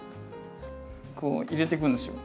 こう入れていくんですよ。